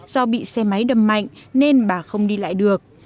do bị xe máy đâm mạnh nên bà không đi lại được